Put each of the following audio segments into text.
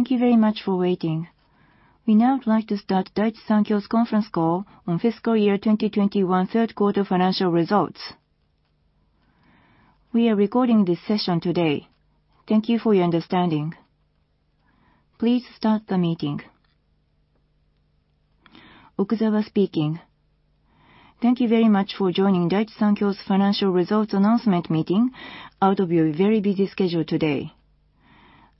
Okuzawa speaking. Thank you very much for joining Daiichi Sankyo's financial results announcement meeting out of your very busy schedule today.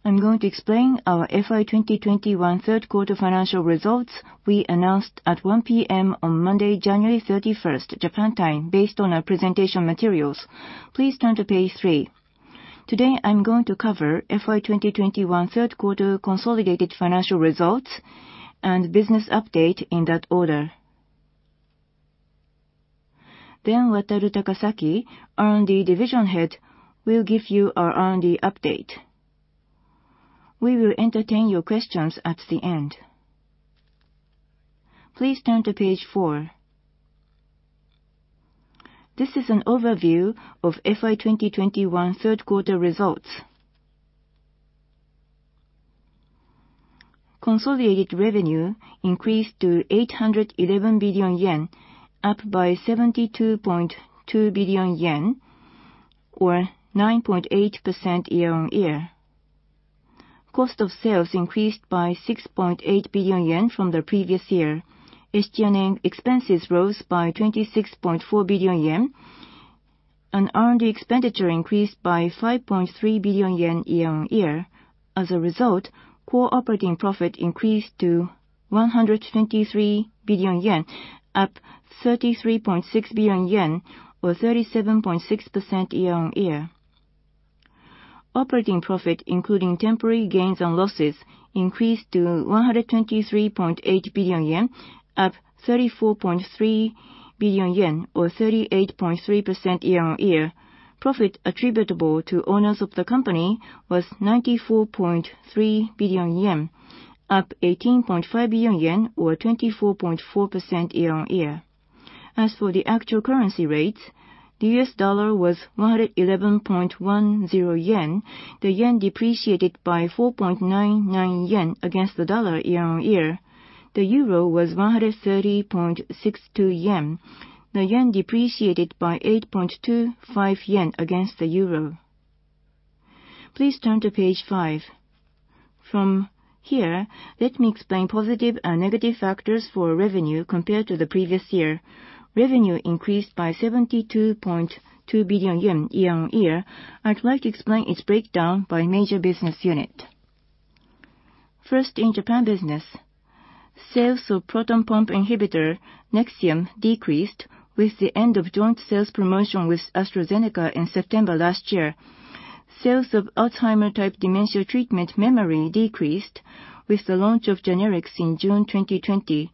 I'm going to explain our FY 2021 third quarter financial results we announced at 1 P.M. on Monday, January 31, Japan time based on our presentation materials. Please turn to page 3. Today, I'm going to cover FY 2021 third quarter consolidated financial results and business update in that order. Then Wataru Takasaki, R&D division head, will give you our R&D update. We will entertain your questions at the end. Please turn to page 4. This is an overview of FY 2021 third quarter results. Consolidated revenue increased to 811 billion yen, up by 72.2 billion yen, or 9.8% year-over-year. Cost of sales increased by 6.8 billion yen from the previous year. SG&A expenses rose by 26.4 billion yen, and R&D expenditure increased by 5.3 billion yen year-over-year. As a result, core operating profit increased to 123 billion yen, up 33.6 billion yen, or 37.6% year-over-year. Operating profit, including temporary gains and losses, increased to 123.8 billion yen, up 34.3 billion yen, or 38.3% year-over-year. Profit attributable to owners of the company was 94.3 billion yen, up 18.5 billion yen, or 24.4% year-over-year. As for the actual currency rates, the USD was JPY 111.10. The yen depreciated by 4.99 yen against the dollar year-on-year. The EUR was 130.62 JPY. The yen depreciated by 8.25 yen against the euro. Please turn to page 5. From here, let me explain positive and negative factors for revenue compared to the previous year. Revenue increased by 72.2 billion yen year-on-year. I'd like to explain its breakdown by major business unit. First, in Japan business, sales of proton pump inhibitor Nexium decreased with the end of joint sales promotion with AstraZeneca in September last year. Sales of Alzheimer-type dementia treatment Memary decreased with the launch of generics in June 2020.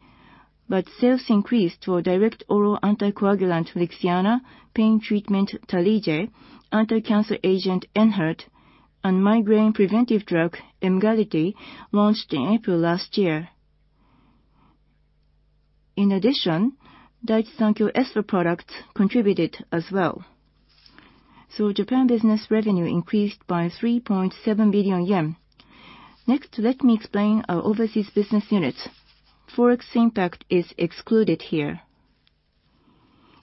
Sales increased for direct oral anticoagulant Lixiana, pain treatment Tarlige, anti-cancer agent ENHERTU, and migraine preventive drug Emgality, launched in April last year. In addition, Daiichi Sankyo Espha products contributed as well. Japan business revenue increased by 3.7 billion yen. Next, let me explain our overseas business units. Forex impact is excluded here.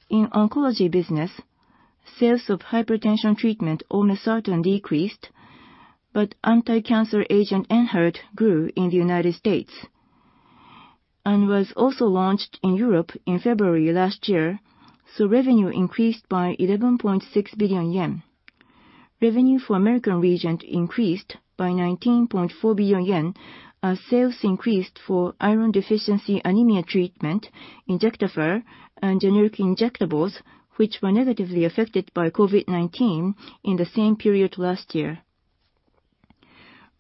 In oncology business, sales of hypertension treatment Olmesartan decreased, but anti-cancer agent ENHERTU grew in the United States and was also launched in Europe in February last year, so revenue increased by 11.6 billion yen. Revenue for American region increased by 19.4 billion yen, as sales increased for iron deficiency anemia treatment, Injectafer, and generic injectables, which were negatively affected by COVID-19 in the same period last year.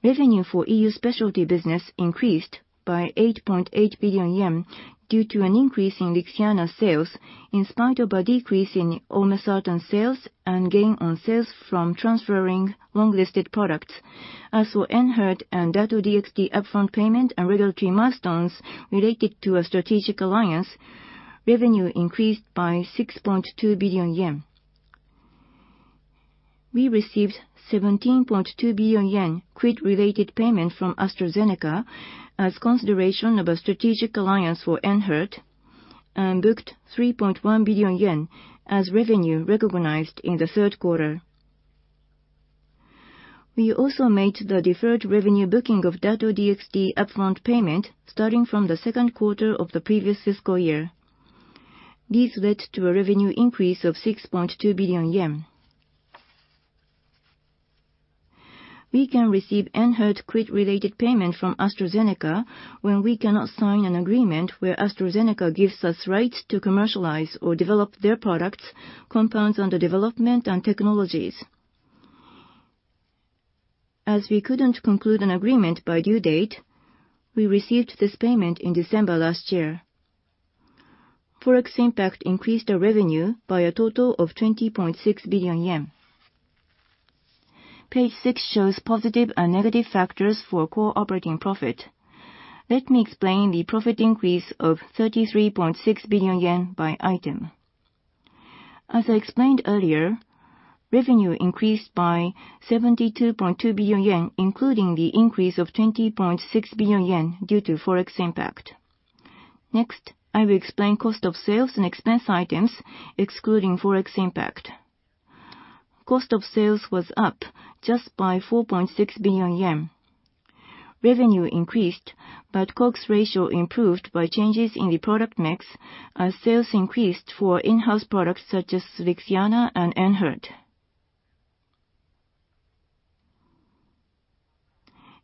Revenue for EU specialty business increased by 8.8 billion yen due to an increase in Lixiana sales, in spite of a decrease in Olmesartan sales and gain on sales from transferring long-listed products. As for ENHERTU and Dato-DXd upfront payment and regulatory milestones related to a strategic alliance, revenue increased by 6.2 billion yen. We received 17.2 billion yen upfront-related payment from AstraZeneca as consideration of a strategic alliance for ENHERTU and booked 3.1 billion yen as revenue recognized in the third quarter. We also made the deferred revenue booking of Dato-DXd upfront payment starting from the second quarter of the previous fiscal year. This led to a revenue increase of 6.2 billion yen. We can receive ENHERTU-related payment from AstraZeneca when we cannot sign an agreement where AstraZeneca gives us rights to commercialize or develop their products, compounds under development, and technologies. As we couldn't conclude an agreement by due date, we received this payment in December last year. Forex impact increased our revenue by a total of 20.6 billion yen. Page 6 shows positive and negative factors for core operating profit. Let me explain the profit increase of 33.6 billion yen by item. As I explained earlier, revenue increased by 72.2 billion yen, including the increase of 20.6 billion yen due to Forex impact. Next, I will explain cost of sales and expense items excluding Forex impact. Cost of sales was up just by 4.6 billion yen. Revenue increased, but COGS ratio improved by changes in the product mix as sales increased for in-house products such as Lixiana and ENHERTU.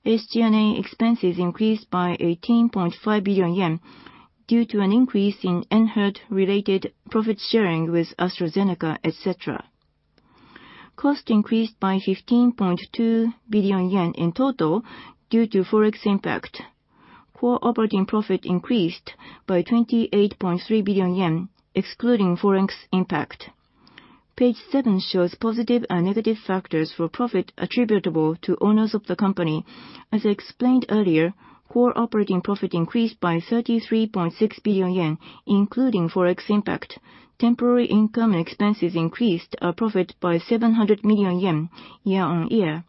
SG&A expenses increased by 18.5 billion yen due to an increase in ENHERTU-related profit sharing with AstraZeneca, etc. Cost increased by 15.2 billion yen in total due to Forex impact. Core operating profit increased by 28.3 billion yen excluding Forex impact. Page seven shows positive and negative factors for profit attributable to owners of the company. As I explained earlier, core operating profit increased by 33.6 billion yen, including Forex impact. Temporary income and expenses increased our profit by 700 million yen year on year.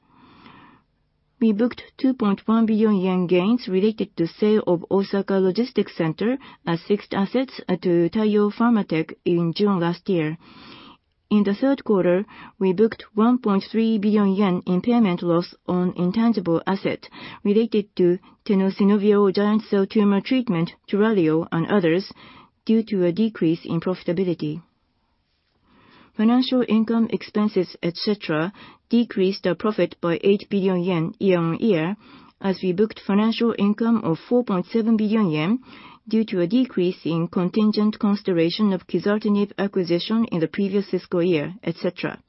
We booked 2.1 billion yen gains related to sale of Osaka Logistics Center as fixed assets to Taiyo Pharma Tech. In June last year. In the third quarter, we booked 1.3 billion yen impairment loss on intangible asset related to tenosynovial giant cell tumor treatment, TURALIO and others, due to a decrease in profitability. Financial income expenses, et cetera, decreased our profit by 8 billion yen year-on-year as we booked financial income of 4.7 billion yen due to a decrease in contingent consideration of quizartinib acquisition in the previous fiscal year, et cetera.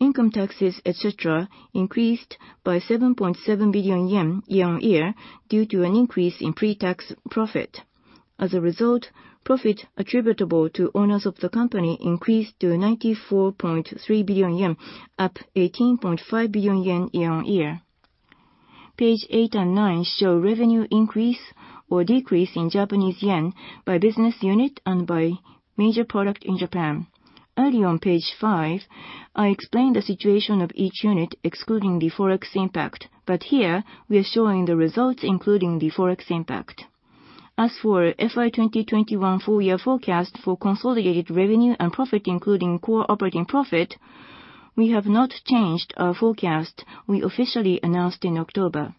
Income taxes, et cetera, increased by 7.7 billion yen year-on-year due to an increase in pre-tax profit. As a result, profit attributable to owners of the company increased to 94.3 billion yen, up 18.5 billion yen year-on-year. Page 8 and 9 show revenue increase or decrease in Japanese yen by business unit and by major product in Japan. Early on page five, I explained the situation of each unit excluding the Forex impact, but here we are showing the results including the Forex impact. As for FY 2021 full year forecast for consolidated revenue and profit, including core operating profit, we have not changed our forecast we officially announced in October.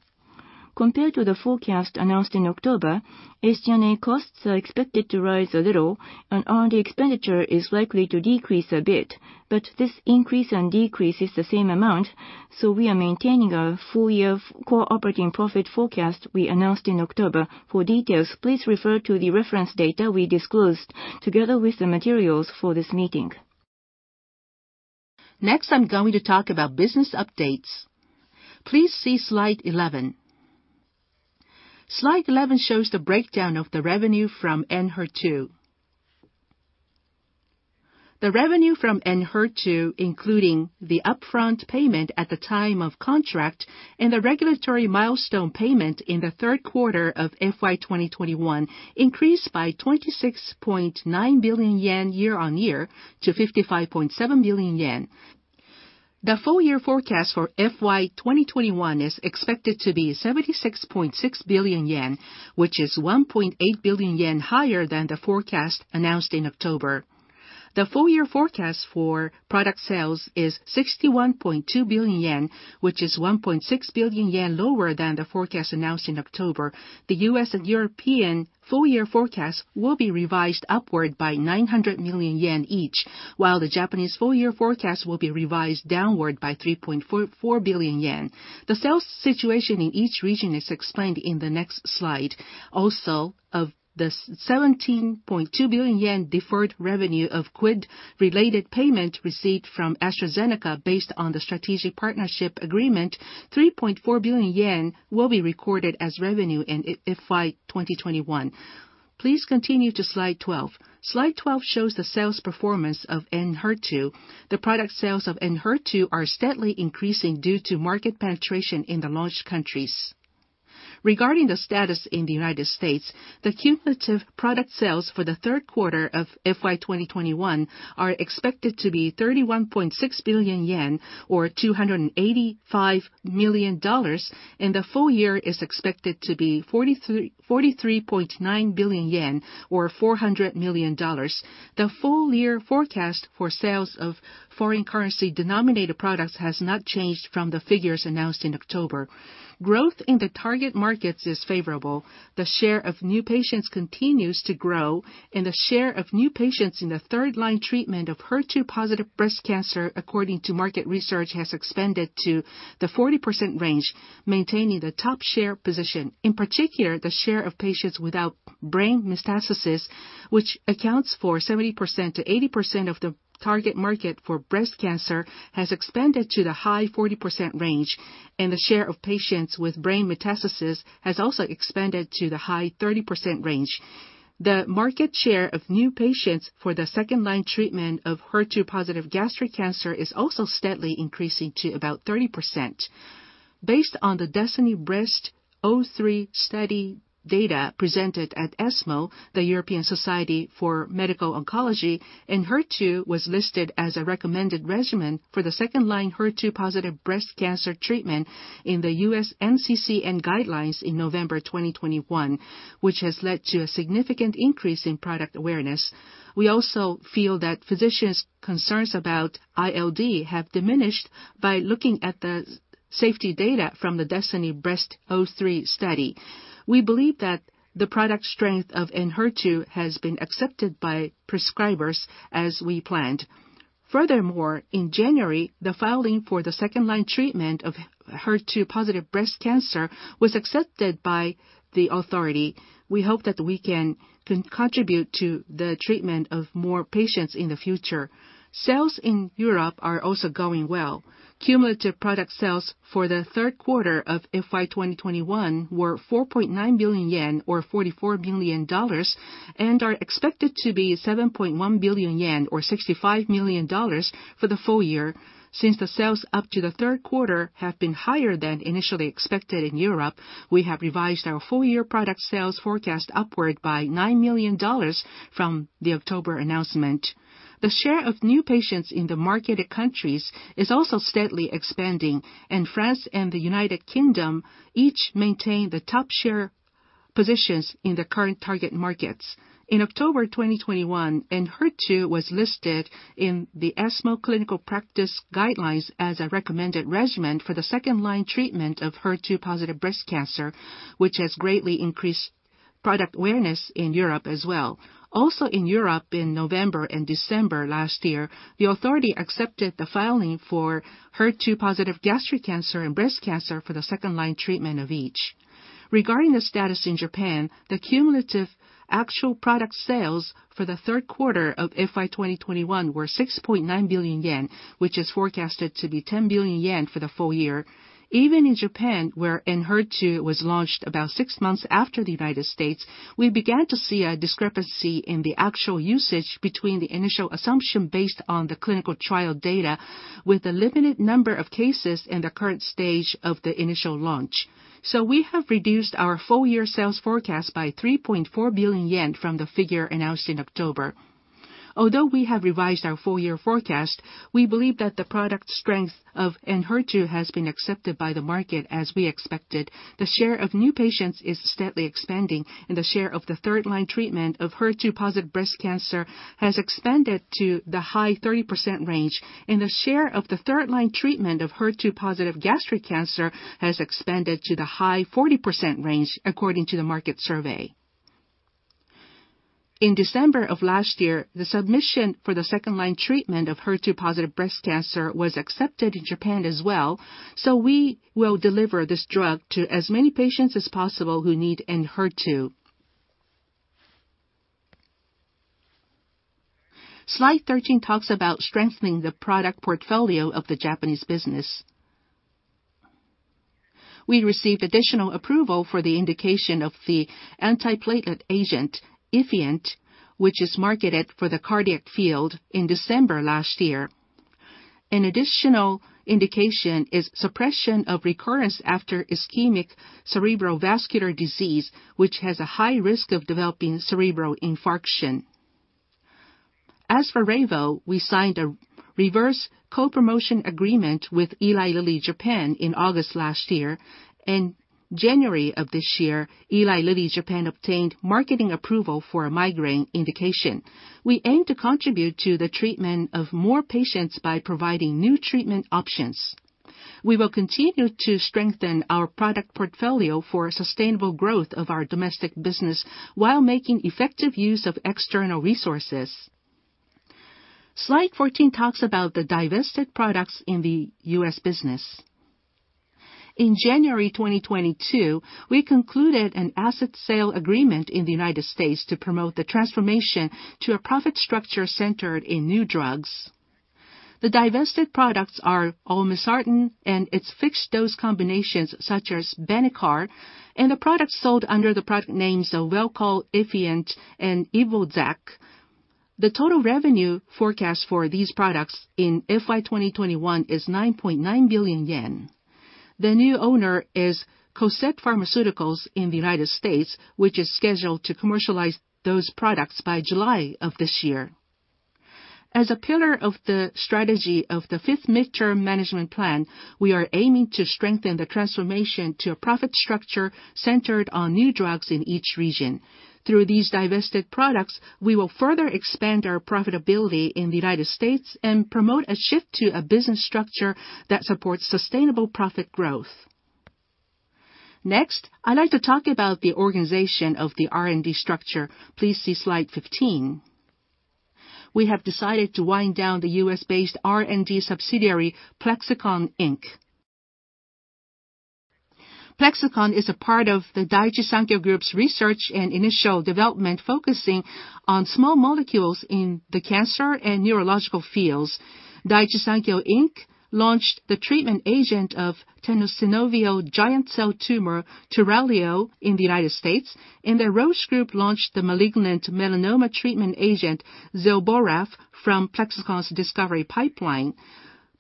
Compared to the forecast announced in October, SG&A costs are expected to rise a little and R&D expenditure is likely to decrease a bit. This increase and decrease is the same amount, so we are maintaining a full year core operating profit forecast we announced in October. For details, please refer to the reference data we disclosed together with the materials for this meeting. Next, I'm going to talk about business updates. Please see slide 11. Slide 11 shows the breakdown of the revenue from ENHERTU. The revenue from ENHERTU, including the upfront payment at the time of contract and the regulatory milestone payment in the third quarter of FY 2021, increased by 26.9 billion yen year-on-year to 55.7 billion yen. The full year forecast for FY 2021 is expected to be 76.6 billion yen, which is 1.8 billion yen higher than the forecast announced in October. The full year forecast for product sales is 61.2 billion yen, which is 1.6 billion yen lower than the forecast announced in October. The U.S. and European full year forecast will be revised upward by 900 million yen each, while the Japanese full year forecast will be revised downward by 3.4 billion yen. The sales situation in each region is explained in the next slide. Also, of the 17.2 billion yen deferred revenue of upfront related payment received from AstraZeneca based on the Strategic Partnership Agreement, 3.4 billion yen will be recorded as revenue in FY 2021. Please continue to slide 12. Slide 12 shows the sales performance of ENHERTU. The product sales of ENHERTU are steadily increasing due to market penetration in the launched countries. Regarding the status in the United States, the cumulative product sales for the third quarter of FY 2021 are expected to be 31.6 billion yen, or $285 million, and the full year is expected to be 43.9 billion yen, or $400 million. The full year forecast for sales of foreign currency denominated products has not changed from the figures announced in October. Growth in the target markets is favorable. The share of new patients continues to grow and the share of new patients in the third-line treatment of HER2-positive breast cancer according to market research has expanded to the 40% range, maintaining the top share position. In particular, the share of patients without brain metastasis, which accounts for 70%-80% of the target market for breast cancer, has expanded to the high 40% range, and the share of patients with brain metastasis has also expanded to the high 30% range. The market share of new patients for the second-line treatment of HER2-positive gastric cancer is also steadily increasing to about 30%. Based on the DESTINY-Breast03 study data presented at ESMO, the European Society for Medical Oncology, ENHERTU was listed as a recommended regimen for the second-line HER2-positive breast cancer treatment in the U.S. NCCN guidelines in November 2021, which has led to a significant increase in product awareness. We also feel that physicians' concerns about ILD have diminished by looking at the safety data from the DESTINY-Breast03 study. We believe that the product strength of ENHERTU has been accepted by prescribers as we planned. Furthermore, in January, the filing for the second-line treatment of HER2-positive breast cancer was accepted by the authority. We hope that we can contribute to the treatment of more patients in the future. Sales in Europe are also going well. Cumulative product sales for the third quarter of FY 2021 were 4.9 billion yen, or $44 million, and are expected to be 7.1 billion yen, or $65 million, for the full year. Since the sales up to the third quarter have been higher than initially expected in Europe, we have revised our full year product sales forecast upward by $9 million from the October announcement. The share of new patients in the marketed countries is also steadily expanding, and France and the United Kingdom each maintain the top share positions in the current target markets. In October 2021, ENHERTU was listed in the ESMO Clinical Practice Guidelines as a recommended regimen for the second-line treatment of HER2-positive breast cancer, which has greatly increased product awareness in Europe as well. Also in Europe, in November and December last year, the authority accepted the filing for HER2-positive gastric cancer and breast cancer for the second-line treatment of each. Regarding the status in Japan, the cumulative actual product sales for the third quarter of FY 2021 were 6.9 billion yen, which is forecasted to be 10 billion yen for the full year. Even in Japan, where ENHERTU was launched about six months after the United States, we began to see a discrepancy in the actual usage between the initial assumption based on the clinical trial data with a limited number of cases in the current stage of the initial launch. We have reduced our full year sales forecast by 3.4 billion yen from the figure announced in October. Although we have revised our full year forecast, we believe that the product strength of ENHERTU has been accepted by the market as we expected. The share of new patients is steadily expanding, and the share of the third-line treatment of HER2-positive breast cancer has expanded to the high 30% range, and the share of the third-line treatment of HER2-positive gastric cancer has expanded to the high 40% range, according to the market survey. In December of last year, the submission for the second-line treatment of HER2-positive breast cancer was accepted in Japan as well, so we will deliver this drug to as many patients as possible who need ENHERTU. Slide 13 talks about strengthening the product portfolio of the Japanese business. We received additional approval for the indication of the antiplatelet agent Effient, which is marketed for the cardiac field, in December last year. An additional indication is suppression of recurrence after ischemic cerebral vascular disease, which has a high risk of developing cerebral infarction. As for Reyvow, we signed a reverse co-promotion agreement with Eli Lilly Japan in August last year. In January of this year, Eli Lilly Japan obtained marketing approval for a migraine indication. We aim to contribute to the treatment of more patients by providing new treatment options. We will continue to strengthen our product portfolio for sustainable growth of our domestic business while making effective use of external resources. Slide 14 talks about the divested products in the U.S. business. In January 2022, we concluded an asset sale agreement in the United States to promote the transformation to a profit structure centered in new drugs. The divested products are Olmesartan and its fixed-dose combinations such as Benicar and the products sold under the product names of WelChol, Effient, and Evoxac. The total revenue forecast for these products in FY 2021 is 9.9 billion yen. The new owner is Cosette Pharmaceuticals in the United States, which is scheduled to commercialize those products by July of this year. As a pillar of the strategy of the Fifth Midterm Management Plan, we are aiming to strengthen the transformation to a profit structure centered on new drugs in each region. Through these divested products, we will further expand our profitability in the United States and promote a shift to a business structure that supports sustainable profit growth. Next, I'd like to talk about the organization of the R&D structure. Please see slide 15. We have decided to wind down the U.S.-based R&D subsidiary, Plexxikon Inc. Plexxikon is a part of the Daiichi Sankyo group's research and initial development, focusing on small molecules in the cancer and neurological fields. Daiichi Sankyo Inc. launched the treatment agent of tenosynovial giant cell tumor, TURALIO, in the United States, and the Roche Group launched the malignant melanoma treatment agent, Zelboraf, from Plexxikon's discovery pipeline.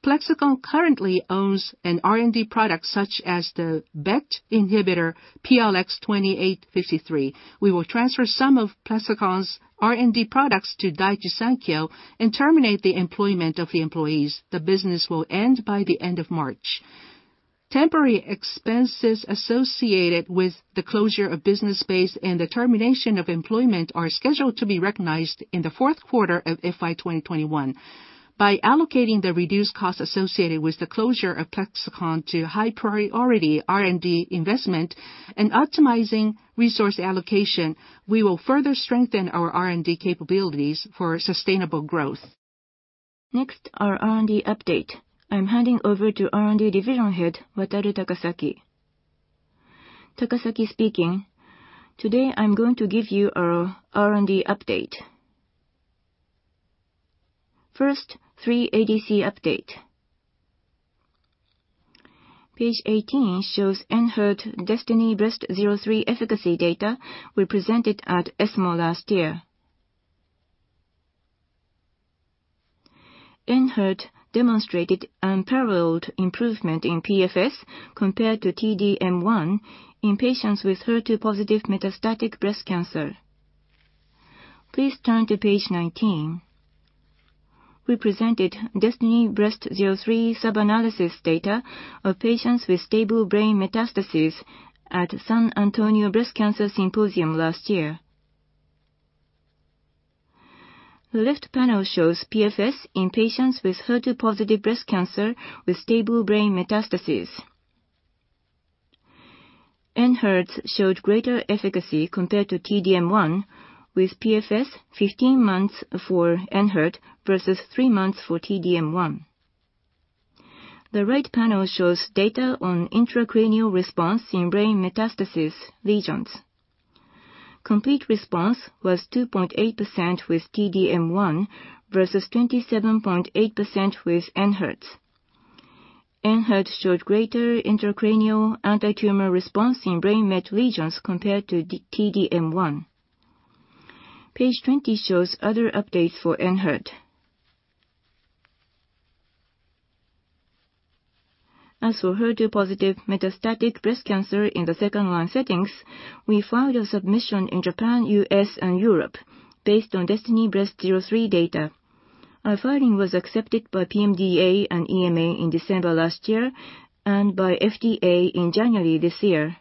Plexxikon currently owns an R&D product such as the BET inhibitor PLX2853. We will transfer some of Plexxikon's R&D products to Daiichi Sankyo and terminate the employment of the employees. The business will end by the end of March. Temporary expenses associated with the closure of business space and the termination of employment are scheduled to be recognized in the fourth quarter of FY 2021. By allocating the reduced cost associated with the closure of Plexxikon to high priority R&D investment and optimizing resource allocation, we will further strengthen our R&D capabilities for sustainable growth. Next, our R&D update. I'm handing over to R&D Division Head Wataru Takasaki. Takasaki speaking. Today, I'm going to give you our R&D update. First, the ADC update. Page 18 shows ENHERTU DESTINY-Breast03 efficacy data we presented at ESMO last year. ENHERTU demonstrated unparalleled improvement in PFS compared to T-DM1 in patients with HER2-positive metastatic breast cancer. Please turn to page 19. We presented DESTINY-Breast03 sub-analysis data of patients with stable brain metastases at San Antonio Breast Cancer Symposium last year. The left panel shows PFS in patients with HER2-positive breast cancer with stable brain metastases. ENHERTU showed greater efficacy compared to T-DM1, with PFS of 15 months for ENHERTU versus 3 months for T-DM1. The right panel shows data on intracranial response in brain metastasis lesions. Complete response was 2.8% with T-DM1 versus 27.8% with ENHERTU. ENHERTU showed greater intracranial anti-tumor response in brain met lesions compared to T-DM1. Page 20 shows other updates for ENHERTU. As for HER2-positive metastatic breast cancer in the second-line settings, we filed a submission in Japan, U.S., and Europe based on DESTINY-Breast03 data. Our filing was accepted by PMDA and EMA in December last year and by FDA in January this year.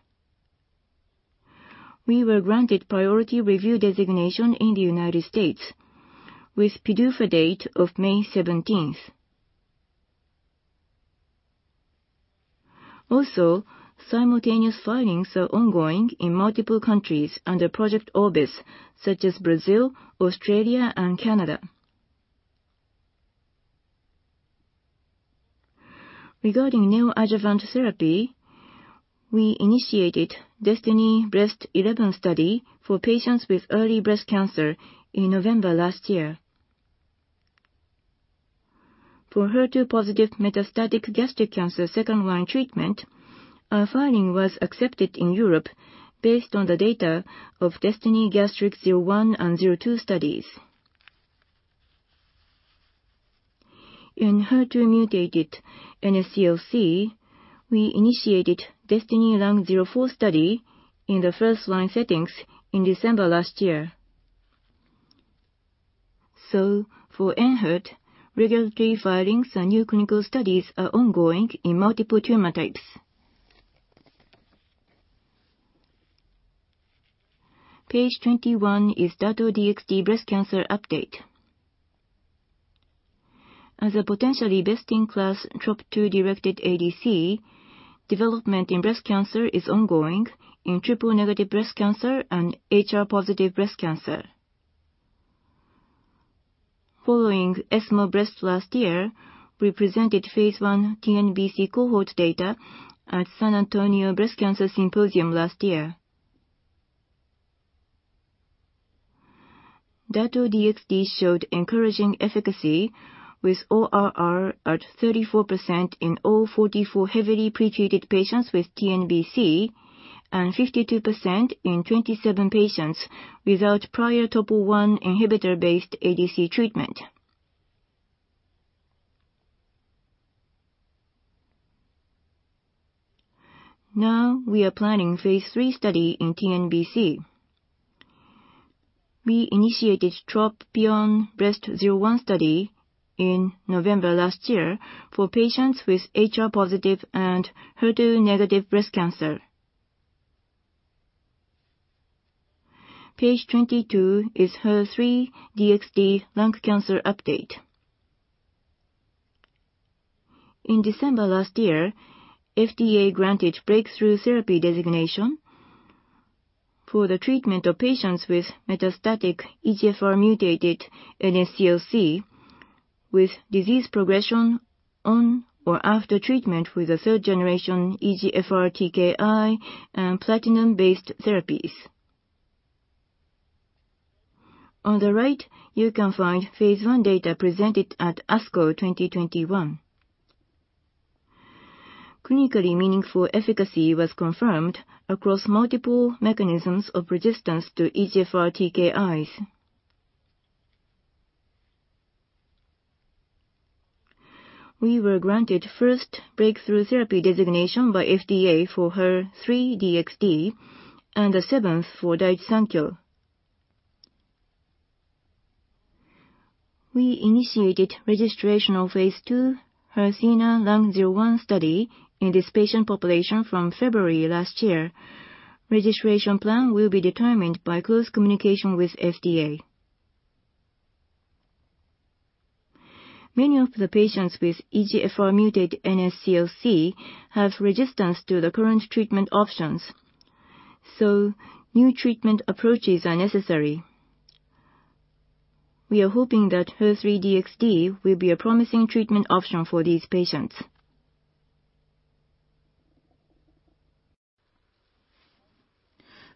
We were granted priority review designation in the United States with PDUFA date of May 17. Also, simultaneous filings are ongoing in multiple countries under Project Orbis, such as Brazil, Australia, and Canada. Regarding neoadjuvant therapy, we initiated DESTINY-Breast11 study for patients with early breast cancer in November last year. For HER2-positive metastatic gastric cancer second-line treatment, our filing was accepted in Europe based on the data of DESTINY-Gastric01 and DESTINY-Gastric02 studies. In HER2-mutated NSCLC, we initiated DESTINY-Lung04 study in the first-line settings in December last year. For ENHERTU, regulatory filings and new clinical studies are ongoing in multiple tumor types. Page 21 is Dato-DXd breast cancer update. As a potentially best-in-class TROP2-directed ADC, development in breast cancer is ongoing in triple negative breast cancer and HR-positive breast cancer. Following ESMO Breast last year, we presented Phase I TNBC cohort data at San Antonio Breast Cancer Symposium last year. Dato-DXd showed encouraging efficacy with ORR at 34% in all 44 heavily pretreated patients with TNBC and 52% in 27 patients without prior TROP2 inhibitor-based ADC treatment. Now we are planning Phase III study in TNBC. We initiated TROPION-Breast01 study in November last year for patients with HR-positive and HER2-negative breast cancer. Page 22 is HER3-DXd lung cancer update. In December last year, FDA granted breakthrough therapy designation for the treatment of patients with metastatic EGFR-mutated NSCLC with disease progression on or after treatment with a third generation EGFR TKI and platinum-based therapies. On the right, you can find Phase I data presented at ASCO 2021. Clinically meaningful efficacy was confirmed across multiple mechanisms of resistance to EGFR TKIs. We were granted first breakthrough therapy designation by FDA for HER3-DXd and the seventh for Daiichi Sankyo. We initiated registration of Phase II HERTHENA-Lung01 study in this patient population from February last year. Registration plan will be determined by close communication with FDA. Many of the patients with EGFR-mutated NSCLC have resistance to the current treatment options, so new treatment approaches are necessary. We are hoping that HER3-DXd will be a promising treatment option for these patients.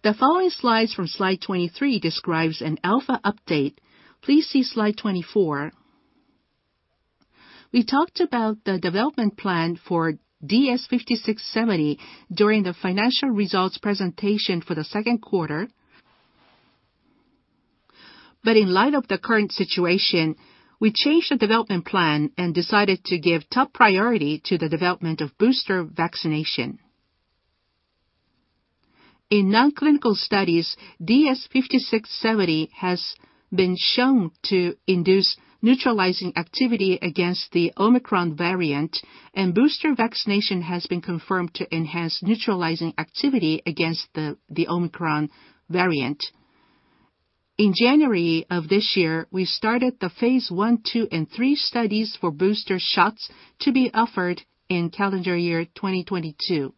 The following slides from slide 23 describe an R&D update. Please see slide 24. We talked about the development plan for DS-5670 during the financial results presentation for the second quarter. In light of the current situation, we changed the development plan and decided to give top priority to the development of booster vaccination. In non-clinical studies, DS-5670 has been shown to induce neutralizing activity against the Omicron variant, and booster vaccination has been confirmed to enhance neutralizing activity against the Omicron variant. In January of this year, we started the Phase I, II, and III studies for booster shots to be offered in calendar year 2022.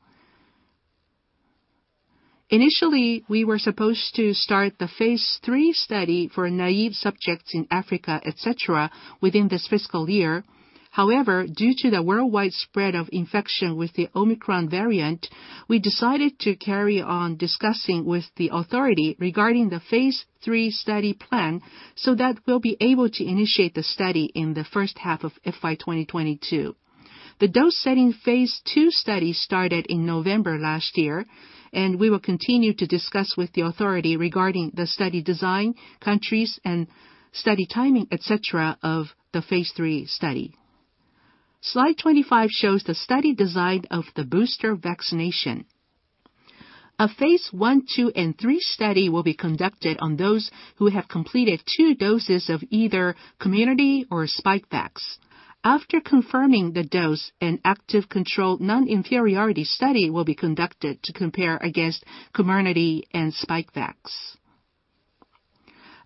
Initially, we were supposed to start the Phase III study for naive subjects in Africa, et cetera, within this fiscal year. However, due to the worldwide spread of infection with the Omicron variant, we decided to carry on discussing with the authority regarding the Phase III study plan so that we'll be able to initiate the study in the first half of FY 2022. The dose-setting Phase II study started in November last year, and we will continue to discuss with the authority regarding the study design, countries, and study timing, et cetera, of the Phase III study. Slide 25 shows the study design of the booster vaccination. A Phase I, II, and III study will be conducted on those who have completed two doses of either Comirnaty or Spikevax. After confirming the dose, an active controlled non-inferiority study will be conducted to compare against Comirnaty and Spikevax.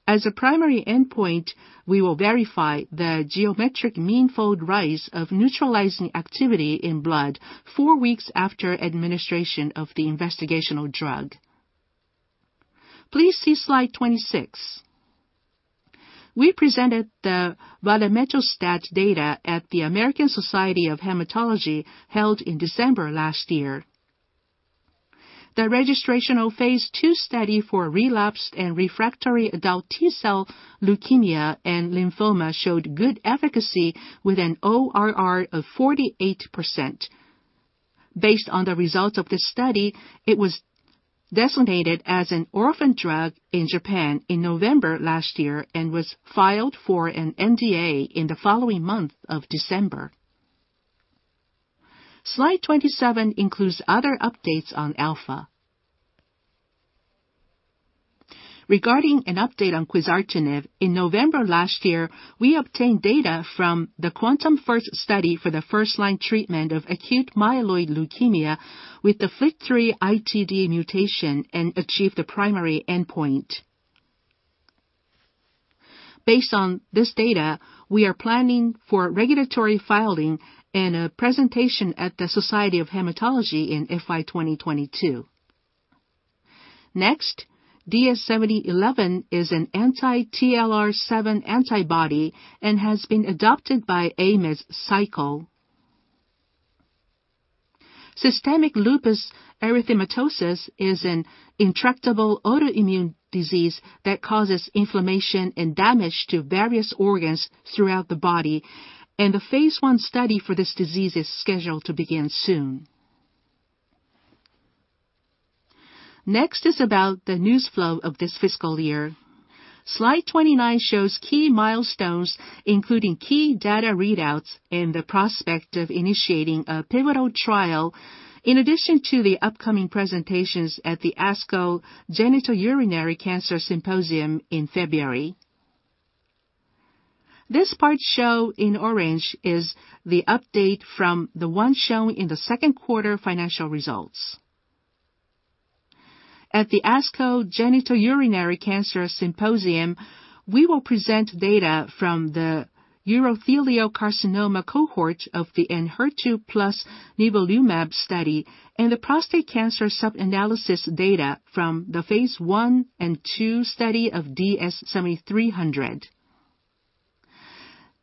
As a primary endpoint, we will verify the geometric mean fold rise of neutralizing activity in blood four weeks after administration of the investigational drug. Please see slide 26. We presented the valemetostat data at the American Society of Hematology held in December last year. The registrational Phase II study for relapsed and refractory adult T-cell leukemia and lymphoma showed good efficacy with an ORR of 48%. Based on the results of this study, it was designated as an orphan drug in Japan in November last year and was filed for an NDA in the following month of December. Slide 27 includes other updates on alpha. Regarding an update on quizartinib, in November last year, we obtained data from the QuANTUM-First study for the first-line treatment of acute myeloid leukemia with the FLT3-ITD mutation and achieved the primary endpoint. Based on this data, we are planning for regulatory filing and a presentation at the American Society of Hematology in FY 2022. Next, DS-7011a is an anti-TLR7 antibody and has been adopted by AMED CiCLE. Systemic lupus erythematosus is an intractable autoimmune disease that causes inflammation and damage to various organs throughout the body, and the Phase I study for this disease is scheduled to begin soon. Next is about the news flow of this fiscal year. Slide 29 shows key milestones, including key data readouts and the prospect of initiating a pivotal trial, in addition to the upcoming presentations at the ASCO Genitourinary Cancers Symposium in February. This part shown in orange is the update from the one shown in the second quarter financial results. At the ASCO Genitourinary Cancers Symposium, we will present data from the urothelial carcinoma cohort of the ENHERTU plus nivolumab study and the prostate cancer sub-analysis data from the Phase I and II study of DS-7300.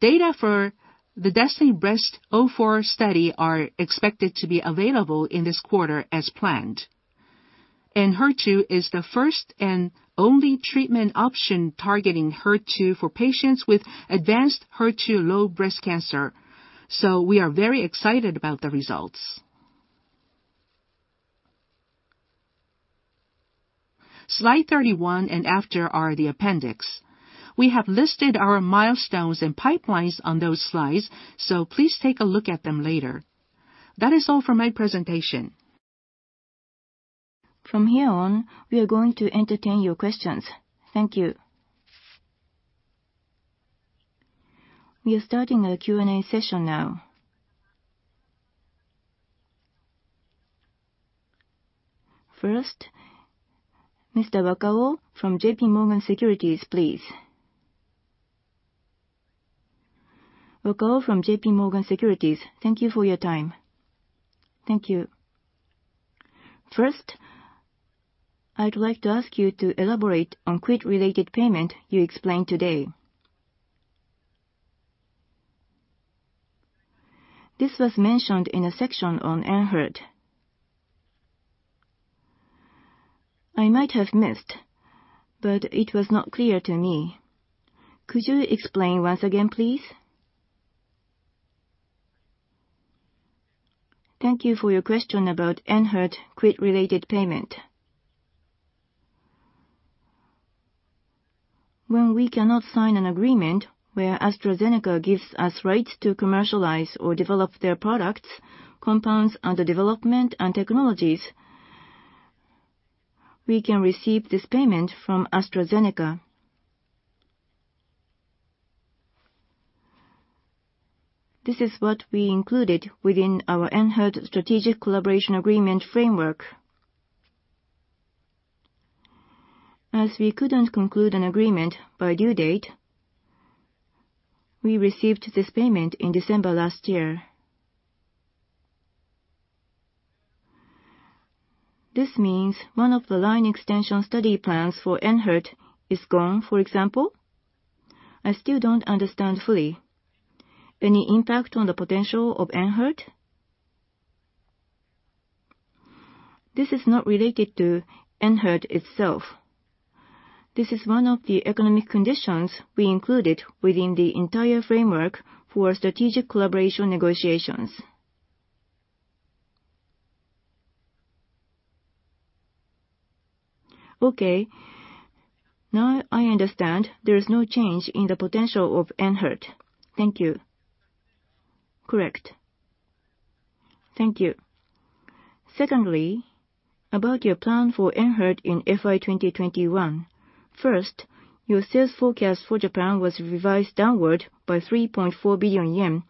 Data for the DESTINY-Breast04 study are expected to be available in this quarter as planned. ENHERTU is the first and only treatment option targeting HER2 for patients with advanced HER2-low breast cancer, so we are very excited about the results. Slide 31 and after are the appendix. We have listed our milestones and pipelines on those slides, so please take a look at them later. That is all for my presentation. From here on, we are going to entertain your questions. Thank you. We are starting our Q&A session now. First, Mr. Wakao from JPMorgan, Securities, please. Wakao from JPMorgan Securities. Thank you for your time. Thank you. First, I'd like to ask you to elaborate on equity-related payment you explained today. This was mentioned in a section on ENHERTU. I might have missed, but it was not clear to me. Could you explain once again, please? Thank you for your question about ENHERTU equity-related payment. When we cannot sign an agreement where AstraZeneca gives us rights to commercialize or develop their products, compounds under development and technologies, we can receive this payment from AstraZeneca. This is what we included within our ENHERTU strategic collaboration agreement framework. As we couldn't conclude an agreement by due date, we received this payment in December last year. This means one of the line extension study plans for ENHERTU is gone, for example? I still don't understand fully. Any impact on the potential of ENHERTU? This is not related to ENHERTU itself. This is one of the economic conditions we included within the entire framework for strategic collaboration negotiations. Okay. Now I understand there is no change in the potential of ENHERTU. Thank you. Correct. Thank you. Secondly, about your plan for ENHERTU in FY 2021. First, your sales forecast for Japan was revised downward by 3.4 billion yen.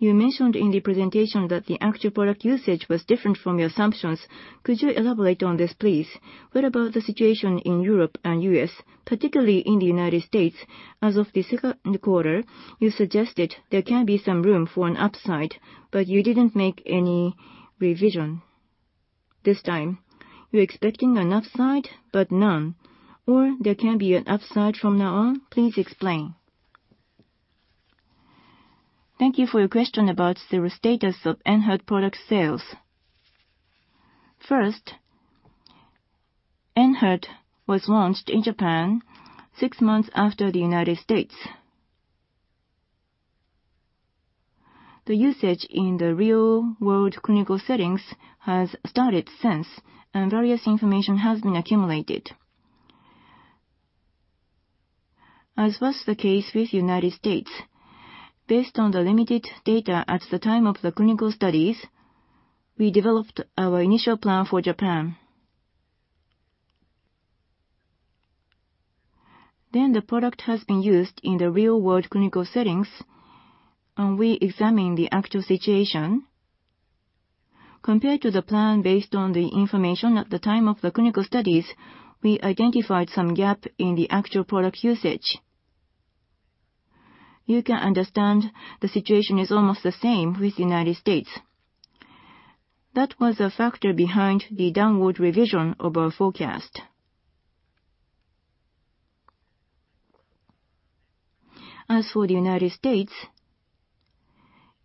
You mentioned in the presentation that the actual product usage was different from your assumptions. Could you elaborate on this, please? What about the situation in Europe and U.S., particularly in the United States? As of the second quarter, you suggested there can be some room for an upside, but you didn't make any revision. This time, you're expecting an upside, but none, or there can be an upside from now on. Please explain. Thank you for your question about the status of ENHERTU product sales. First, ENHERTU was launched in Japan six months after the United States. The usage in the real-world clinical settings has started since, and various information has been accumulated. As was the case with United States, based on the limited data at the time of the clinical studies, we developed our initial plan for Japan. Then the product has been used in the real-world clinical settings, and we examine the actual situation. Compared to the plan based on the information at the time of the clinical studies, we identified some gap in the actual product usage. You can understand the situation is almost the same with the United States. That was a factor behind the downward revision of our forecast. As for the United States,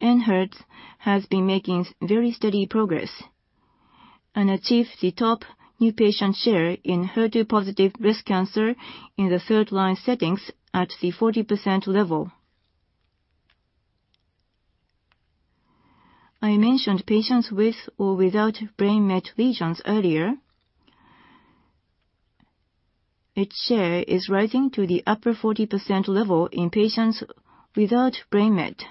ENHERTU has been making very steady progress and achieved the top new patient share in HER2-positive breast cancer in the third-line settings at the 40% level. I mentioned patients with or without brain met lesions earlier. Its share is rising to the upper 40% level in patients without brain met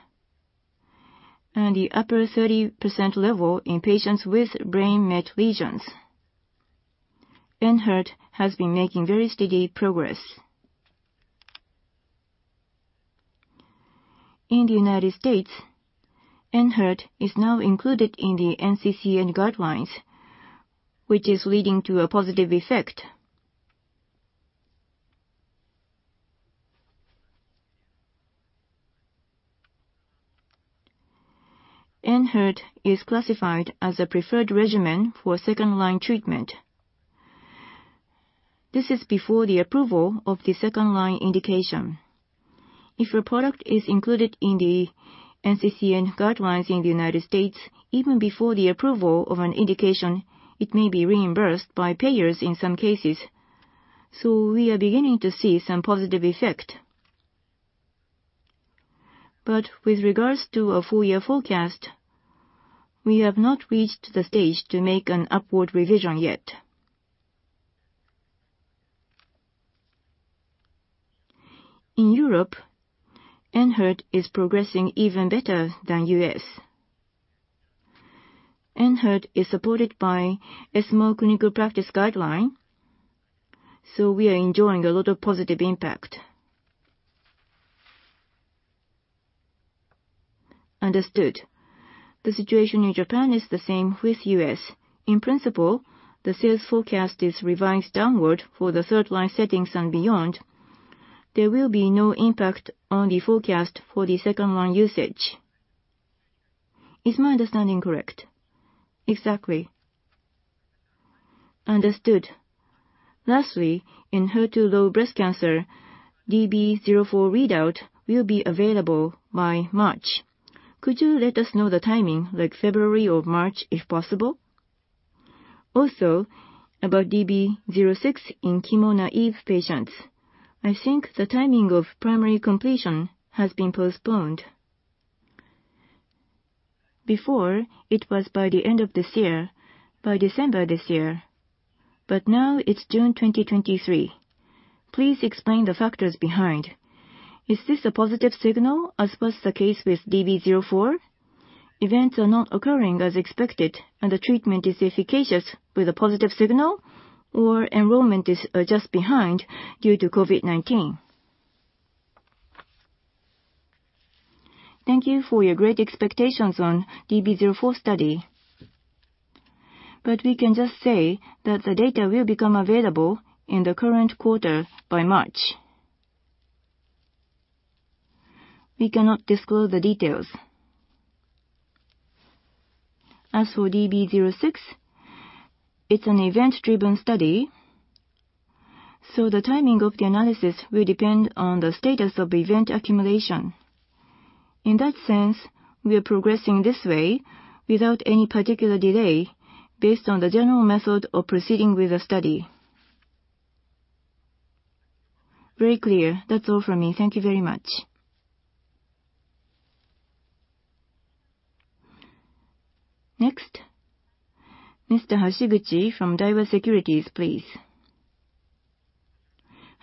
and the upper 30% level in patients with brain met lesions. ENHERTU has been making very steady progress. In the United States, ENHERTU is now included in the NCCN guidelines, which is leading to a positive effect. ENHERTU is classified as a preferred regimen for second-line treatment. This is before the approval of the second-line indication. If a product is included in the NCCN guidelines in the United States, even before the approval of an indication, it may be reimbursed by payers in some cases. We are beginning to see some positive effect. With regards to a full year forecast, we have not reached the stage to make an upward revision yet. In Europe, ENHERTU is progressing even better than U.S. ENHERTU is supported by an ESMO Clinical Practice Guideline, so we are enjoying a lot of positive impact. Understood. The situation in Japan is the same with U.S. In principle, the sales forecast is revised downward for the third line settings and beyond. There will be no impact on the forecast for the second line usage. Is my understanding correct? Exactly. Understood. Lastly, in HER2-low breast cancer, DB-04 readout will be available by March. Could you let us know the timing, like February or March, if possible? Also, about DB-06 in chemo-naive patients, I think the timing of primary completion has been postponed. Before, it was by the end of this year, by December this year, but now it's June 2023. Please explain the factors behind. Is this a positive signal, as was the case with DB-04? Events are not occurring as expected, and the treatment is efficacious with a positive signal, or enrollment is just behind due to COVID-19. Thank you for your great expectations on DB-04 study. But we can just say that the data will become available in the current quarter by March. We cannot disclose the details. As for DB-06, it's an event-driven study, so the timing of the analysis will depend on the status of event accumulation. In that sense, we are progressing this way without any particular delay based on the general method of proceeding with the study. Very clear. That's all from me. Thank you very much. Next. Mr. Hashiguchi from Daiwa Securities, please.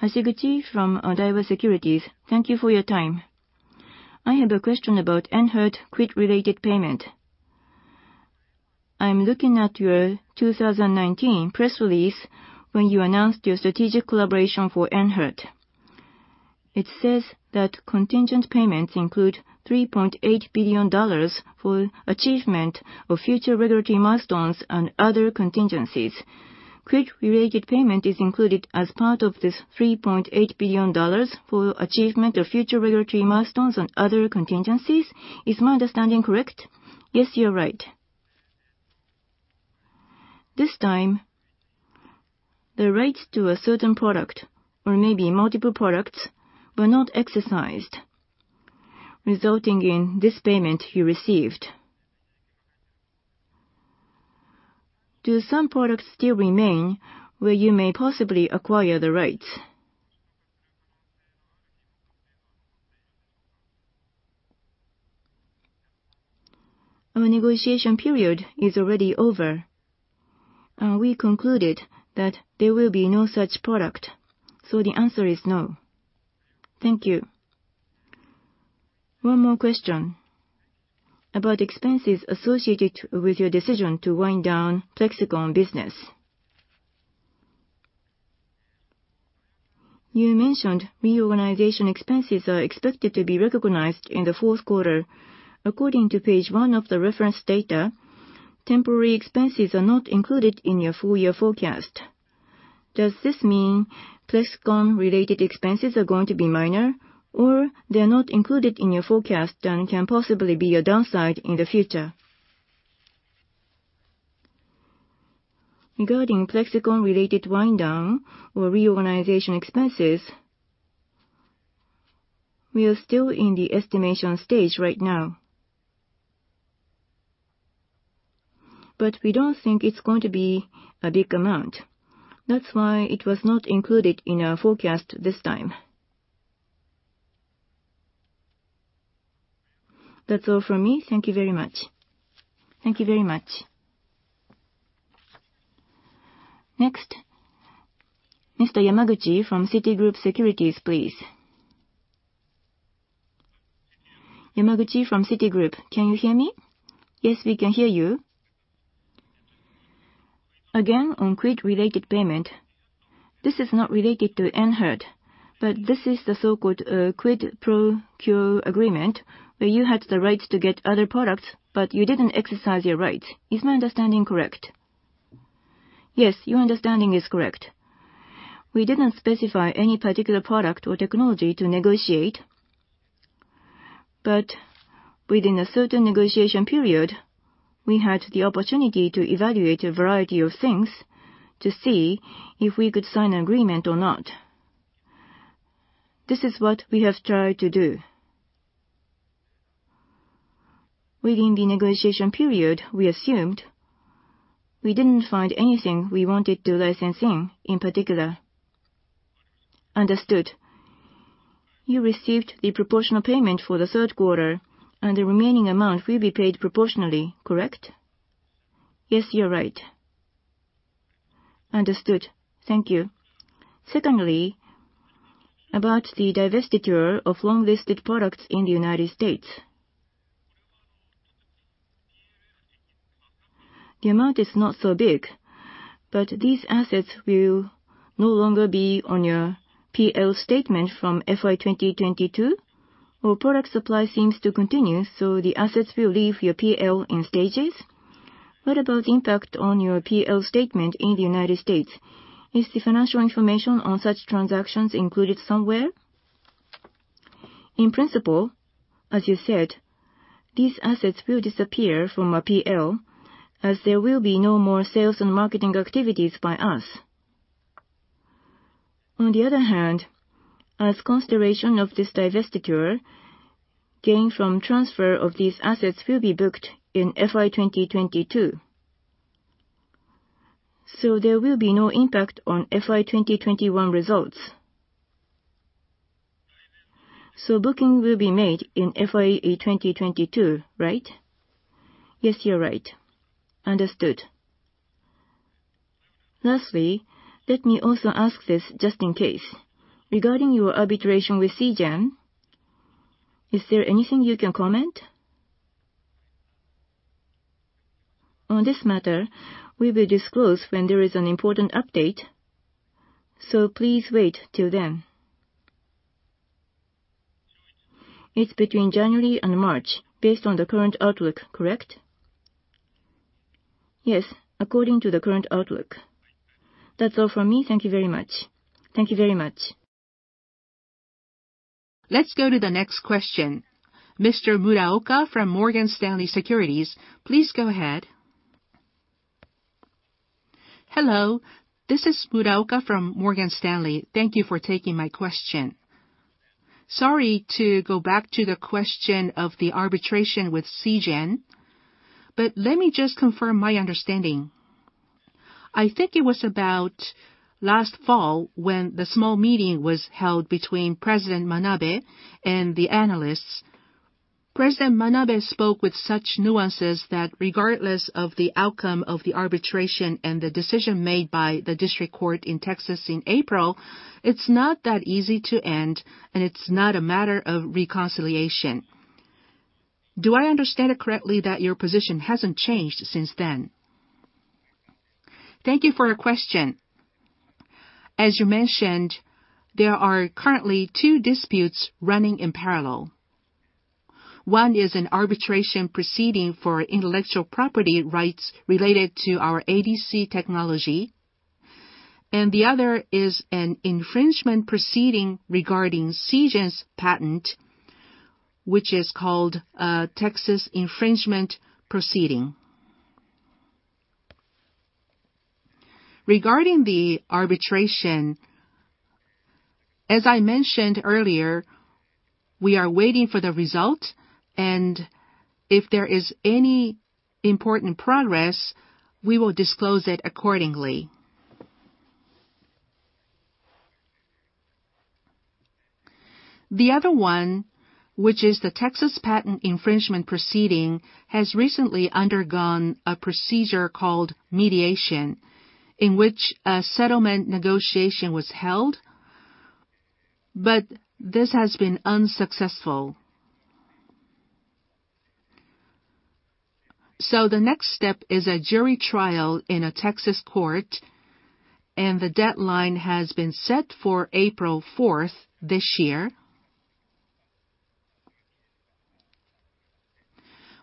Hashiguchi from Daiwa Securities. Thank you for your time. I have a question about ENHERTU-related payment. I'm looking at your 2019 press release when you announced your strategic collaboration for ENHERTU. It says that contingent payments include $3.8 billion for achievement of future regulatory milestones and other contingencies. Quick-related payment is included as part of this $3.8 billion for achievement of future regulatory milestones and other contingencies. Is my understanding correct? Yes, you're right. This time, the rights to a certain product or maybe multiple products were not exercised, resulting in this payment you received. Do some products still remain where you may possibly acquire the rights? Our negotiation period is already over. We concluded that there will be no such product, so the answer is no. Thank you. One more question about expenses associated with your decision to wind down Plexxikon business. You mentioned reorganization expenses are expected to be recognized in the fourth quarter. According to page one of the reference data, temporary expenses are not included in your full year forecast. Does this mean Plexxikon-related expenses are going to be minor, or they're not included in your forecast and can possibly be a downside in the future? Regarding Plexxikon-related wind down or reorganization expenses, we are still in the estimation stage right now. We don't think it's going to be a big amount. That's why it was not included in our forecast this time. That's all from me. Thank you very much. Thank you very much. Next, Mr. Yamaguchi from Citigroup, Securities, please. Yamaguchi from Citigroup. Can you hear me? Yes, we can hear you. Again, on quiz-related payment. This is not related to ENHERTU, but this is the so-called quid pro quo agreement where you had the right to get other products, but you didn't exercise your rights. Is my understanding correct? Yes, your understanding is correct. We didn't specify any particular product or technology to negotiate. Within a certain negotiation period, we had the opportunity to evaluate a variety of things to see if we could sign an agreement or not. This is what we have tried to do. Within the negotiation period we assumed, we didn't find anything we wanted to license in particular. Understood. You received the proportional payment for the third quarter, and the remaining amount will be paid proportionally, correct? Yes, you're right. Understood. Thank you. Secondly, about the divestiture of long-listed products in the United States. The amount is not so big, but these assets will no longer be on your P&L statement from FY 2022? Product supply seems to continue, so the assets will leave your P&L in stages. What about impact on your P&L statement in the United States? Is the financial information on such transactions included somewhere? In principle, as you said, these assets will disappear from our P&L as there will be no more sales and marketing activities by us. On the other hand, as consideration of this divestiture, gain from transfer of these assets will be booked in FY 2022. There will be no impact on FY 2021 results. Booking will be made in FY 2022, right? Yes, you're right. Understood. Lastly, let me also ask this just in case. Regarding your arbitration with Seagen, is there anything you can comment On this matter, we will disclose when there is an important update. Please wait till then. It's between January and March based on the current outlook, correct? Yes, according to the current outlook. That's all from me. Thank you very much. Thank you very much. Let's go to the next question. Mr. Muraoka from Morgan Stanley Securities, please go ahead. Hello, this is Muraoka from Morgan Stanley. Thank you for taking my question. Sorry to go back to the question of the arbitration with Seagen, but let me just confirm my understanding. I think it was about last fall when the small meeting was held between President Manabe and the analysts. President Manabe spoke with such nuances that regardless of the outcome of the arbitration and the decision made by the district court in Texas in April, it's not that easy to end, and it's not a matter of reconciliation. Do I understand it correctly that your position hasn't changed since then? Thank you for your question. As you mentioned, there are currently two disputes running in parallel. One is an arbitration proceeding for intellectual property rights related to our ADC technology, and the other is an infringement proceeding regarding Seagen's patent, which is called Texas Infringement Proceeding. Regarding the arbitration, as I mentioned earlier, we are waiting for the result, and if there is any important progress, we will disclose it accordingly. The other one, which is the Texas patent infringement proceeding, has recently undergone a procedure called mediation, in which a settlement negotiation was held, but this has been unsuccessful. The next step is a jury trial in a Texas court, and the deadline has been set for April fourth this year.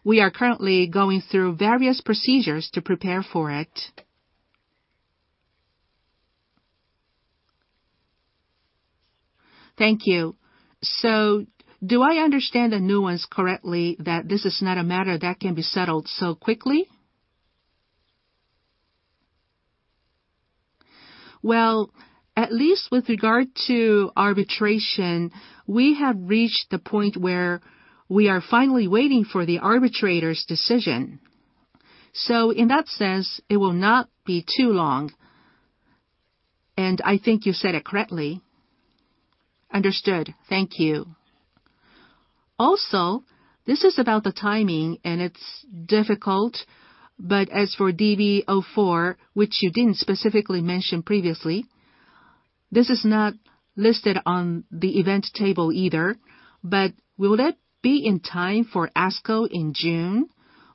We are currently going through various procedures to prepare for it. Thank you. Do I understand the nuance correctly that this is not a matter that can be settled so quickly? Well, at least with regard to arbitration, we have reached the point where we are finally waiting for the arbitrator's decision. In that sense, it will not be too long, and I think you said it correctly. Understood. Thank you. Also, this is about the timing, and it's difficult, but as for DB-04, which you didn't specifically mention previously, this is not listed on the event table either. Will that be in time for ASCO in June,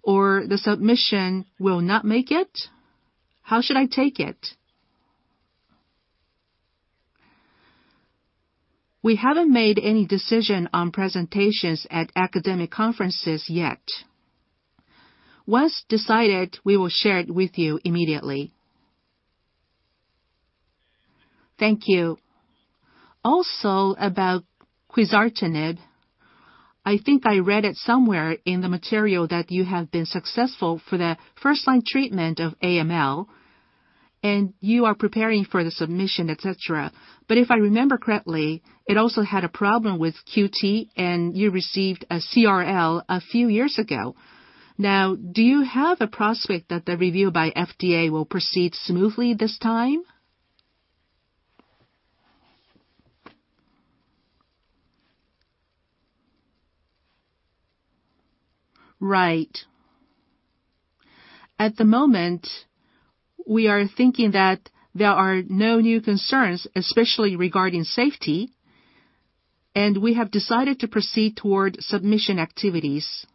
or the submission will not make it? How should I take it? We haven't made any decision on presentations at academic conferences yet. Once decided, we will share it with you immediately. Thank you. Also, about quizartinib, I think I read it somewhere in the material that you have been successful for the first-line treatment of AML, and you are preparing for the submission, et cetera. If I remember correctly, it also had a problem with QT, and you received a CRL a few years ago. Now, do you have a prospect that the review by FDA will proceed smoothly this time? Right. At the moment, we are thinking that there are no new concerns, especially regarding safety, and we have decided to proceed toward submission activities.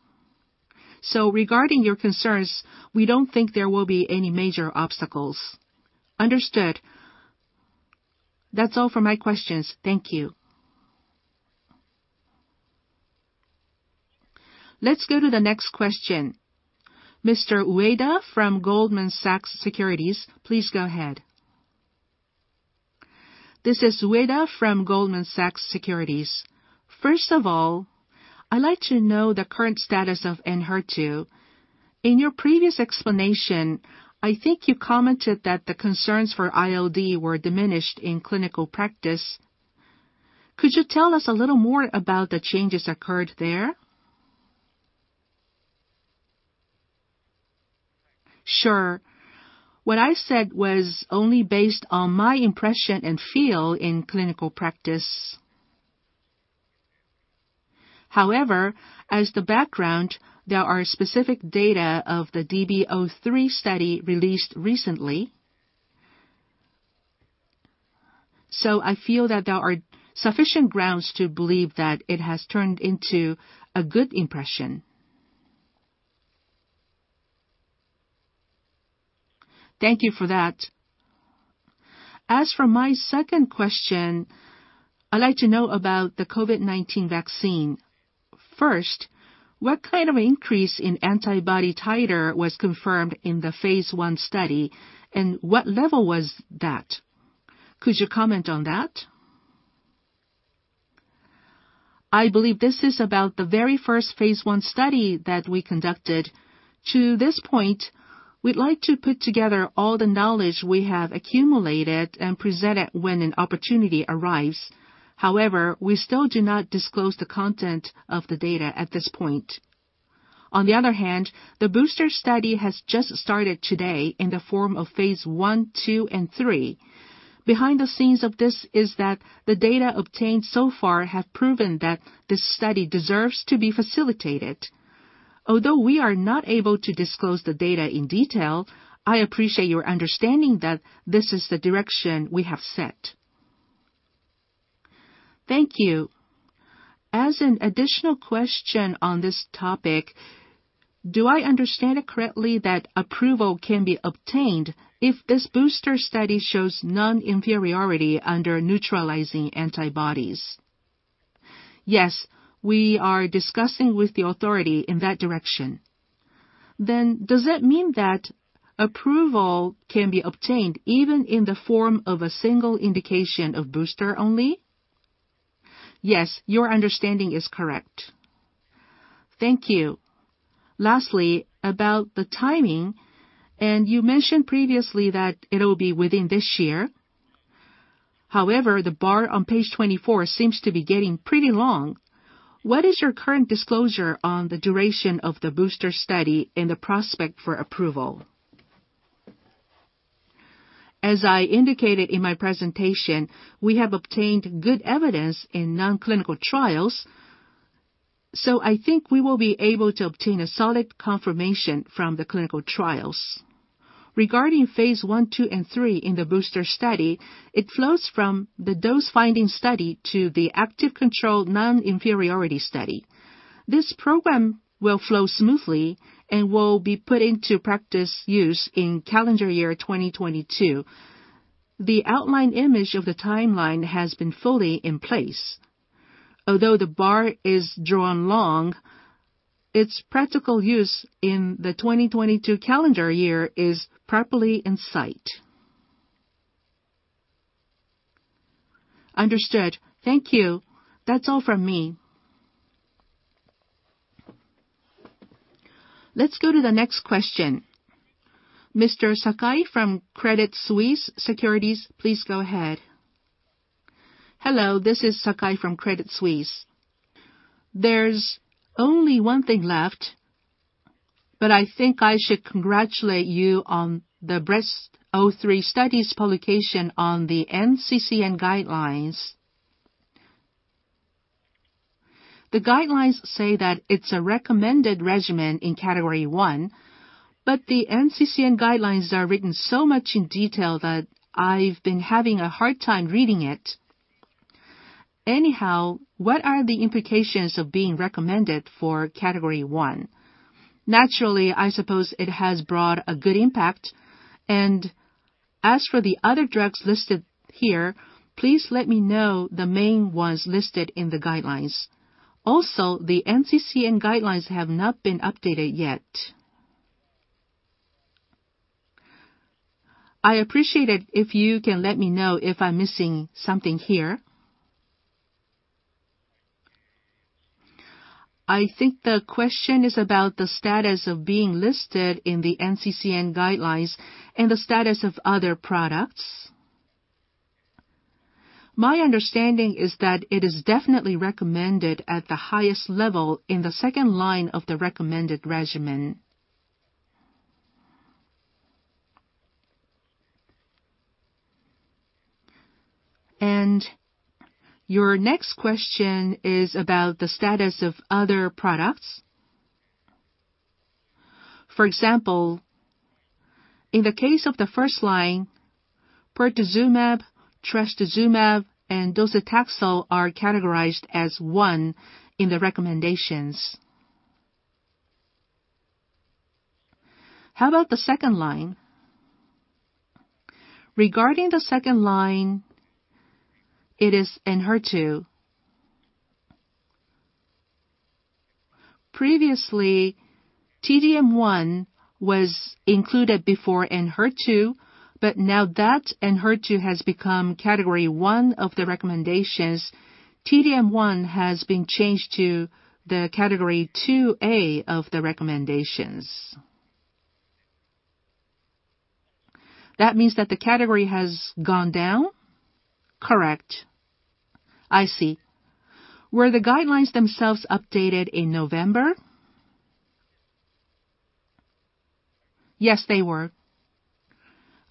So regarding your concerns, we don't think there will be any major obstacles. Understood. That's all for my questions. Thank you. Let's go to the next question. Mr. Ueda from Goldman Sachs Securities, please go ahead. This is Ueda from Goldman Sachs Securities. First of all, I'd like to know the current status of ENHERTU. In your previous explanation, I think you commented that the concerns for ILD were diminished in clinical practice. Could you tell us a little more about the changes occurred there? Sure. What I said was only based on my impression and feel in clinical practice. However, as the background, there are specific data of the DB-03 study released recently. I feel that there are sufficient grounds to believe that it has turned into a good impression. Thank you for that. As for my second question, I'd like to know about the COVID-19 vaccine. First, what kind of increase in antibody titer was confirmed in the Phase I study, and what level was that? Could you comment on that? I believe this is about the very first Phase I study that we conducted. To this point, we'd like to put together all the knowledge we have accumulated and present it when an opportunity arrives. However, we still do not disclose the content of the data at this point. On the other hand, the booster study has just started today in the form of Phase I, II, and III. Behind the scenes of this is that the data obtained so far have proven that this study deserves to be facilitated. Although we are not able to disclose the data in detail, I appreciate your understanding that this is the direction we have set. Thank you. As an additional question on this topic, do I understand it correctly that approval can be obtained if this booster study shows non-inferiority under neutralizing antibodies? Yes, we are discussing with the authority in that direction. Then does that mean that approval can be obtained even in the form of a single indication of booster only? Yes, your understanding is correct. Thank you. Lastly, about the timing, you mentioned previously that it'll be within this year. However, the bar on page 24 seems to be getting pretty long. What is your current disclosure on the duration of the booster study and the prospect for approval? As I indicated in my presentation, we have obtained good evidence in non-clinical trials, so I think we will be able to obtain a solid confirmation from the clinical trials. Regarding Phase I, II, and III in the booster study, it flows from the dose-finding study to the active controlled non-inferiority study. This program will flow smoothly and will be put into practice use in calendar year 2022. The outline image of the timeline has been fully in place. Although the bar is drawn long, its practical use in the 2022 calendar year is properly in sight. Understood. Thank you. That's all from me. Let's go to the next question. Mr. Sakai from Credit Suisse Securities, please go ahead. Hello, this is Sakai from Credit Suisse. There's only one thing left, but I think I should congratulate you on the DESTINY-Breast03 study's publication on the NCCN guidelines. The guidelines say that it's a recommended regimen in category one, but the NCCN guidelines are written so much in detail that I've been having a hard time reading it. Anyhow, what are the implications of being recommended for category one? Naturally, I suppose it has brought a good impact. As for the other drugs listed here, please let me know the main ones listed in the guidelines. Also, the NCCN guidelines have not been updated yet. I appreciate it if you can let me know if I'm missing something here. I think the question is about the status of being listed in the NCCN guidelines and the status of other products. My understanding is that it is definitely recommended at the highest level in the second line of the recommended regimen. Your next question is about the status of other products. For example, in the case of the first line, pertuzumab, trastuzumab, and docetaxel are categorized as one in the recommendations. How about the second line? Regarding the second line, it is ENHERTU. Previously, T-DM1 was included before ENHERTU, but now that ENHERTU has become category one of the recommendations, T-DM1 has been changed to the category two A of the recommendations. That means that the category has gone down? Correct. I see. Were the guidelines themselves updated in November? Yes, they were.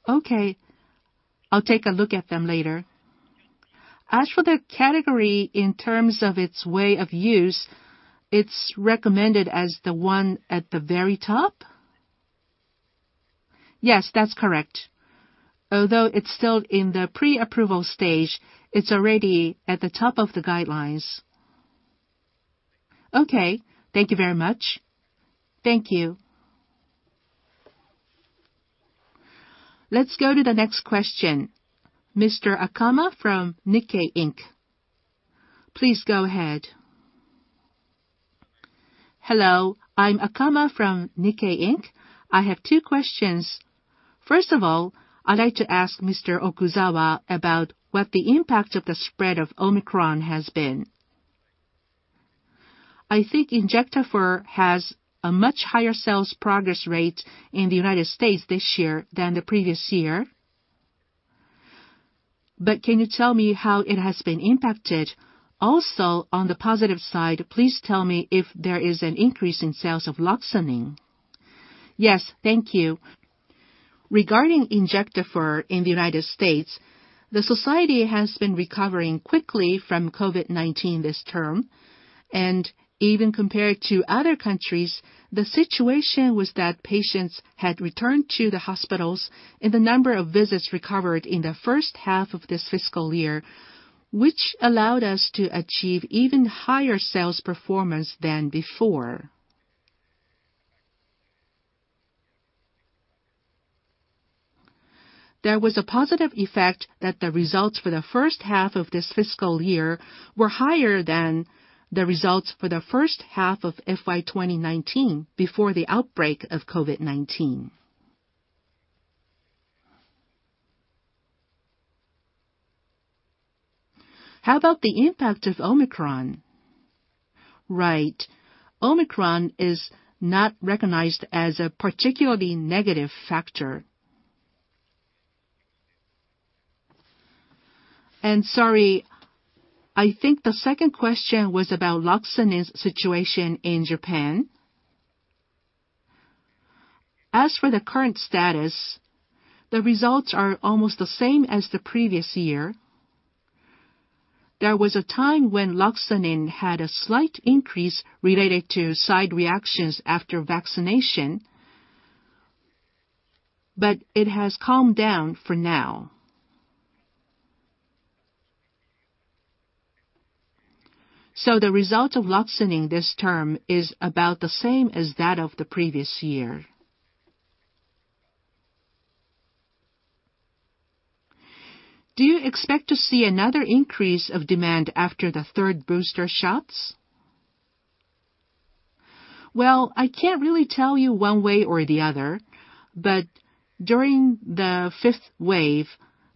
Okay, I'll take a look at them later. As for the category in terms of its way of use, it's recommended as the one at the very top? Yes, that's correct. Although it's still in the pre-approval stage, it's already at the top of the guidelines. Okay, thank you very much. Thank you. Let's go to the next question. Mr. Akama from Nikkei Inc. Please go ahead. Hello, I'm Akama from Nikkei Inc. I have two questions. First of all, I'd like to ask Mr. Okuzawa about what the impact of the spread of Omicron has been. I think Injectafer has a much higher sales progress rate in the United States this year than the previous year. But can you tell me how it has been impacted? Also, on the positive side, please tell me if there is an increase in sales of Loxonin. Yes. Thank you. Regarding Injectafer in the United States, the society has been recovering quickly from COVID-19 this term. Even compared to other countries, the situation was that patients had returned to the hospitals, and the number of visits recovered in the first half of this fiscal year, which allowed us to achieve even higher sales performance than before. There was a positive effect that the results for the first half of this fiscal year were higher than the results for the first half of FY 2019 before the outbreak of COVID-19. How about the impact of Omicron? Right. Omicron is not recognized as a particularly negative factor. Sorry, I think the second question was about Loxonin's situation in Japan. As for the current status, the results are almost the same as the previous year. There was a time when Loxonin had a slight increase related to side reactions after vaccination, but it has calmed down for now. The result of Loxonin this term is about the same as that of the previous year. Do you expect to see another increase of demand after the third booster shots? Well, I can't really tell you one way or the other. During the fifth wave,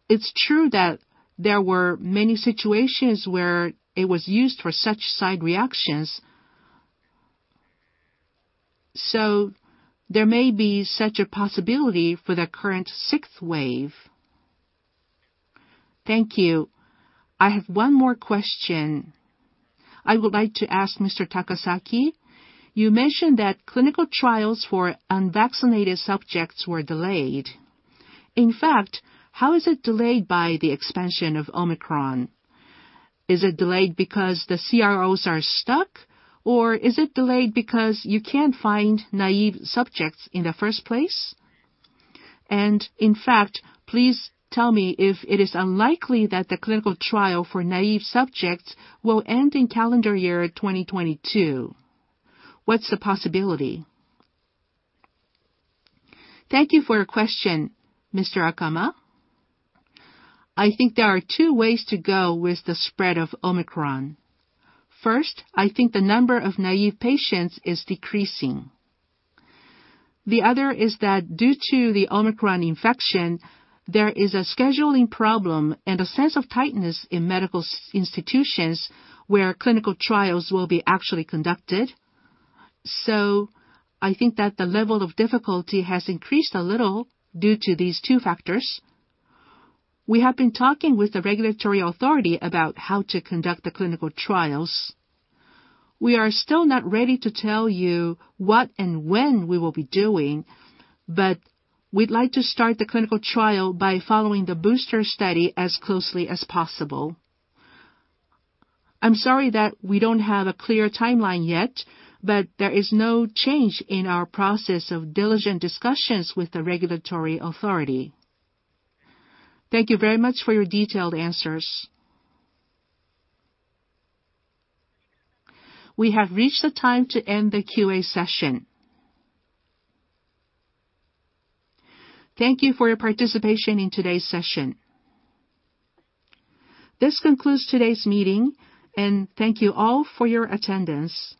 it's true that there were many situations where it was used for such side reactions. There may be such a possibility for the current sixth wave. Thank you. I have one more question I would like to ask Mr. Takasaki. You mentioned that clinical trials for unvaccinated subjects were delayed. In fact, how is it delayed by the expansion of Omicron? Is it delayed because the CROs are stuck, or is it delayed because you can't find naive subjects in the first place? In fact, please tell me if it is unlikely that the clinical trial for naive subjects will end in calendar year 2022. What's the possibility? Thank you for your question, Mr. Akama. I think there are two ways to go with the spread of Omicron. First, I think the number of naive patients is decreasing. The other is that due to the Omicron infection, there is a scheduling problem and a sense of tightness in medical institutions where clinical trials will be actually conducted. I think that the level of difficulty has increased a little due to these two factors. We have been talking with the regulatory authority about how to conduct the clinical trials. We are still not ready to tell you what and when we will be doing, but we'd like to start the clinical trial by following the booster study as closely as possible. I'm sorry that we don't have a clear timeline yet, but there is no change in our process of diligent discussions with the regulatory authority. Thank you very much for your detailed answers. We have reached the time to end the QA session. Thank you for your participation in today's session. This concludes today's meeting, and thank you all for your attendance.